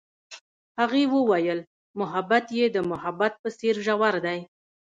هغې وویل محبت یې د محبت په څېر ژور دی.